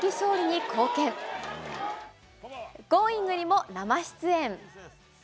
Ｇｏｉｎｇ！にも生出演。